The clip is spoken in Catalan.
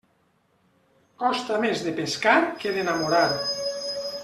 Costa més de pescar que d'enamorar.